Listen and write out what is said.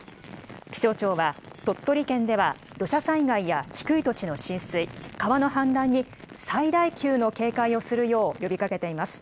気象庁は、鳥取県では土砂災害や低い土地の浸水、川の氾濫に、最大級の警戒をするよう呼びかけています。